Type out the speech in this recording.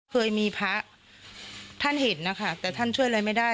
เคยมีพระท่านเห็นนะคะแต่ท่านช่วยอะไรไม่ได้